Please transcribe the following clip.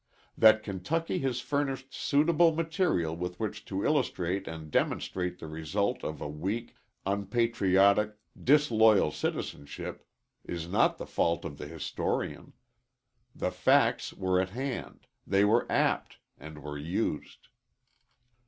That Kentucky has furnished suitable material with which to illustrate and demonstrate the results of a weak, unpatriotic, disloyal citizenship, is not the fault of the historian. The facts were at hand, they were apt, and were used.